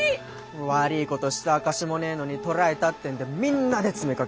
悪ぃことした証しもねぇのに捕らえたってんでみんなで詰めかけてよ。